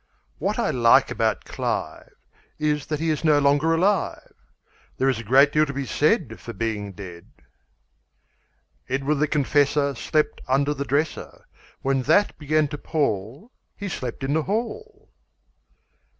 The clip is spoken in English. What I like about Clive Is that he is no longer alive. There is a great deal to be said For being dead. Edward the Confessor Slept under the dresser. When that began to pall, He slept in the hall.